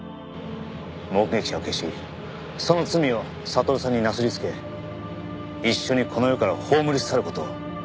目撃者を消しその罪を悟さんになすり付け一緒にこの世から葬り去る事を。